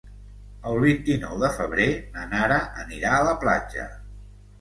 El vint-i-nou de febrer na Nara anirà a la platja.